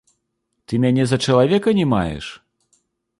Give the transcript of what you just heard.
Ты мяне за чалавека не маеш?